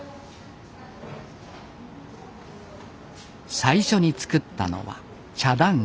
最初に作ったのは茶団子。